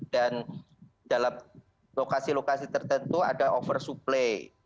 dan dalam lokasi lokasi tertentu ada over supply